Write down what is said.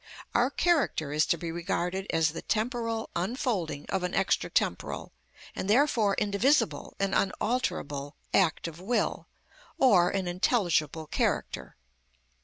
Our character is to be regarded as the temporal unfolding of an extra temporal, and therefore indivisible and unalterable, act of will, or an intelligible character.